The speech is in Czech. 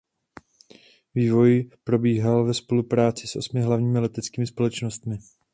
Vývoj probíhal ve spolupráci s osmi hlavními leteckými společnostmi.